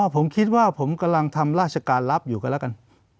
ผมคิดว่าผมกำลังทำราชการรับอยู่กันแล้วกัน